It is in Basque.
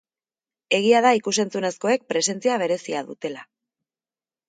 Egia da ikus-entzunezkoek presentzia berezia dutela.